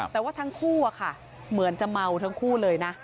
แต่ว่าทั้งคู่อะค่ะเหมือนจะเมาทั้งคู่เลยนะ